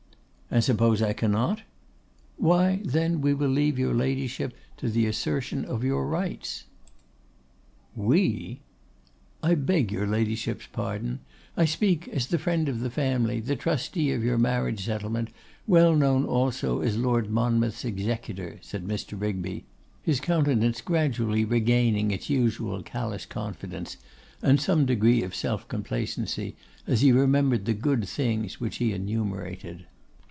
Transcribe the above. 'And suppose I cannot?' 'Why, then, we will leave your Ladyship to the assertion of your rights.' 'We!' 'I beg your Ladyship's pardon. I speak as the friend of the family, the trustee of your marriage settlement, well known also as Lord Monmouth's executor,' said Mr. Rigby, his countenance gradually regaining its usual callous confidence, and some degree of self complacency, as he remembered the good things which he enumerated.